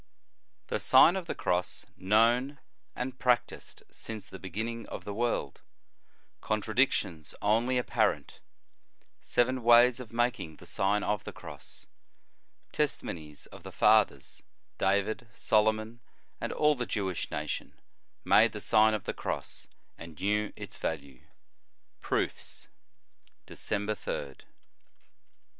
THE SIGN or THE CROSS KNOWN AND PRACTISED SINCE THE BEGINNING OF THE WORLD CONTRADICTIONS ONLY APPAREBTl SEVEN WATS OF MAKING THE SIGN OF THE CROSS TESTI MONIES OF THE FATHERS DAVID, SOLOMON, AND ALL THE JEWISH NATION MADE THE SlGN OF THE CROSS, AND KNEW ITS VALUE PROOFS. December 3d.